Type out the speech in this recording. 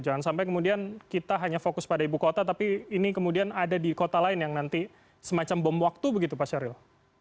jangan sampai kemudian kita hanya fokus pada ibu kota tapi ini kemudian ada di kota lain yang nanti semacam bom waktu begitu pak syahril